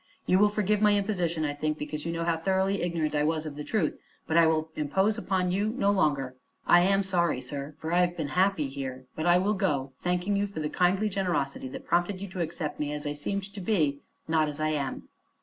You will forgive my imposition, I think, because you know how thoroughly ignorant I was of the truth; but I will impose upon you no longer. I am sorry, sir, for I have been happy here; but I will go, thanking you for the kindly generosity that prompted you to accept me as I seemed to be, not as I am."